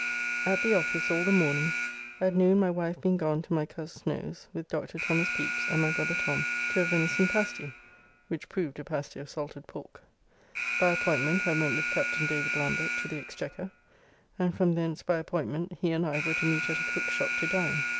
At the office all the morning, at noon my wife being gone to my coz Snow's with Dr. Thomas Pepys and my brother Tom to a venison pasty (which proved a pasty of salted pork); by appointment I went with Captain David Lambert to the Exchequer, and from thence by appointment he and I were to meet at a cook's shop to dine.